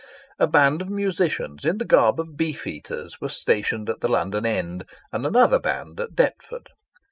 A band of musicians in the garb of the Beef eaters was stationed at the London end, and another band at Deptford.